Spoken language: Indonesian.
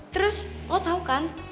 terus lo tau kan